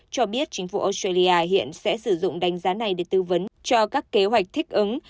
cho biết chính phủ australia hiện sẽ sử dụng đánh giá này để tư vấn cho các kế hoạch thích ứng